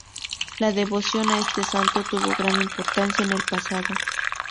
La devoción a este santo tuvo gran importancia en el pasado.